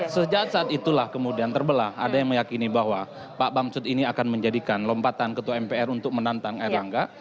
sejak saat itulah kemudian terbelah ada yang meyakini bahwa pak bamsud ini akan menjadikan lompatan ketua mpr untuk menantang erlangga